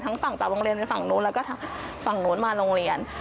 ฝั่งจากโรงเรียนไปฝั่งนู้นแล้วก็ทางฝั่งนู้นมาโรงเรียน